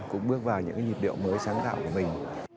cũng bước vào những nhịp điệu mới sáng tạo của mình